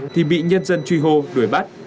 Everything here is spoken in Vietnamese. thì bị nhân dân truy hô đuổi bắt